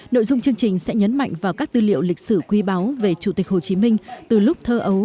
nội dung chương trình sẽ nhấn mạnh vào các tư liệu lịch sử quý báo về chủ tịch hồ chí minh từ lúc thơ ấu